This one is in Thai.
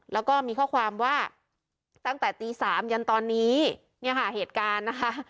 แล้วก็มีข้อความว่าตั้งแต่ตีสามยันตอนนี้เนี่ยค่ะเหตุการณ์นะคะ